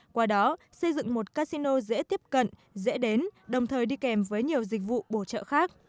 qua đó xây dựng một casino dễ tiếp cận dễ đến đồng thời đi kèm với nhiều dịch vụ bổ trợ khác